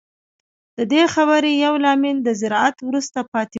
د دې خبرې یو لامل د زراعت وروسته پاتې والی دی